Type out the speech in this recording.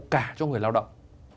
cả cho người lao động